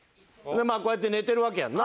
こうやって寝てるわけやんな。